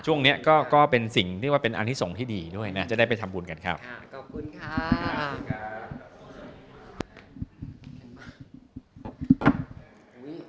ช่วงนี้ก็เป็นสิ่งที่ว่าเป็นอันนี้ส่งที่ดีด้วยนะจะได้ไปทำบุญกันครับขอบคุณค่ะ